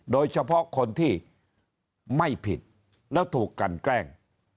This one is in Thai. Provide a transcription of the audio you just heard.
โดยเฉพาะคนที่ไม่ผิดแล้วถูกกันแกล้ง